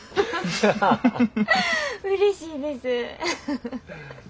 うれしいです。